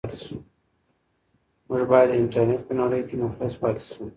موږ باید د انټرنيټ په نړۍ کې مخلص پاتې شو.